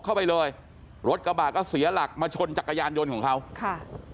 เข้าไปเลยรถกระบะก็เสียหลักมาชนจักรยานยนต์ของเขาค่ะ